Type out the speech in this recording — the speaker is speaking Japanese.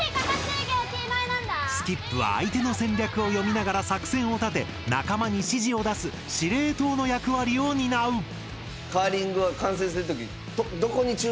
スキップは相手の戦略を読みながら作戦を立て仲間に指示を出す司令塔の役割を担う。